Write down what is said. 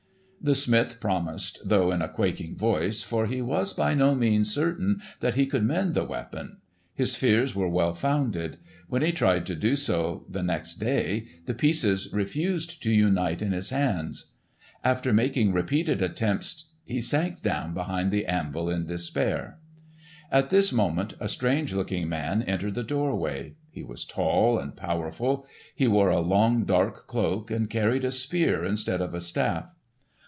The smith promised, though in a quaking voice, for he was by no means certain that he could mend the weapon. His fears were well founded. When he tried to do so, the next day, the pieces refused to unite in his hands. After making repeated attempts he sank down behind the anvil in despair. At this moment a strange looking man entered the doorway. He was tall and powerful. He wore a long dark cloak, and carried a spear instead of a staff.